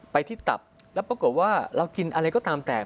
ไปที่ตับแล้วปรากฏว่าเรากินอะไรก็ตามแต่